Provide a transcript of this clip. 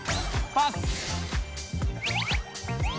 パス。